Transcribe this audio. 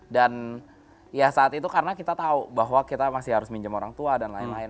dan ya saat itu karena kita tahu bahwa kita masih harus minjam orang tua dan lain lain